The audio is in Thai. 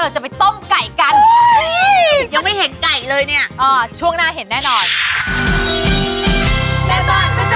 ๓เม็ดจะได้แทบ